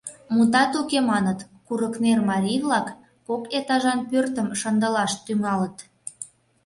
Мутат уке, маныт, Курыкнер марий-влак кок этажан пӧртым шындылаш тӱҥалыт.